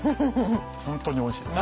本当においしいです。